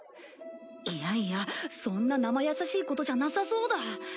いやいやそんな生易しいことじゃなさそうだ。